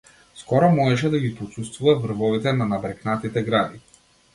Скоро можеше да ги почуствува врвовите на набрекнатите гради.